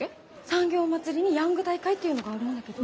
産業まつりにヤング大会っていうのがあるんだけど。